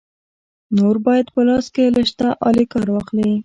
نور باید په لاس کې له شته آلې کار واخلې.